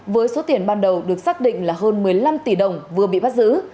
với số tiền ban đầu được xác định là hơn một mươi năm tỷ đồng vừa bị bắt giữ